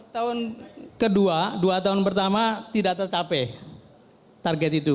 tahun kedua dua tahun pertama tidak tercapai target itu